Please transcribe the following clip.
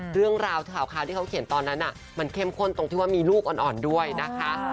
เรื่องราวข่าวที่เขาเขียนตอนนั้นมันเข้มข้นตรงที่ว่ามีลูกอ่อนด้วยนะคะ